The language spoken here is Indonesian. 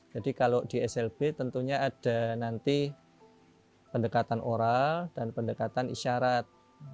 jadi kalau di slb tentunya ada nanti pendekatan oral dan pendekatan isyarat